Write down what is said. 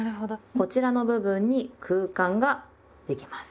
こちらの部分に空間ができます。